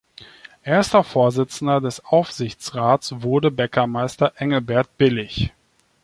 Erster Vorsitzender des Aufsichtsrates wurde Bäckermeister Engelbert Billich.